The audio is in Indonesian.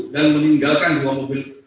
dan meninggalkan dua mobil